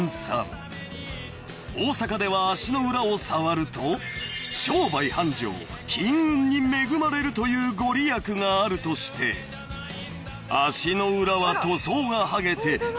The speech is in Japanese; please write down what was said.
［大阪では足の裏を触ると商売繁盛金運に恵まれるという御利益があるとして足の裏は塗装が剥げて］